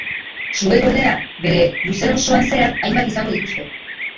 Sugeek ordea bere luzera osoan zehar hainbat izango dituzte.